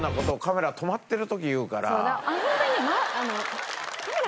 ホントに。